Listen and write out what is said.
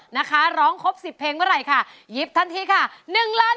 นะคะร้องครบ๑๐เพลงเมื่อไหร่ค่ะหยิบทันทีค่ะ๑ล้าน